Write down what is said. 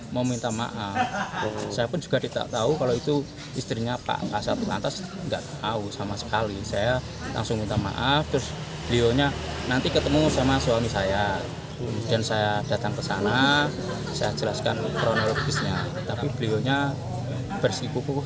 menyentuh pinggul istri kasat lantas